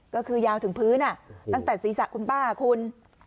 ก็คือยาวถึงพื้นตั้งแต่ศีรษะคุณป้าคุณ